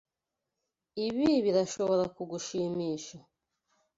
Ibi birashobora kugushimisha.